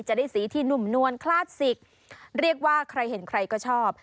จะได้สีที่หนุ่มนวลคลาสสิกเรียกว่าใครเห็นใครก็ชอบ